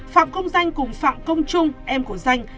phạm công danh cùng phạm công trung em của danh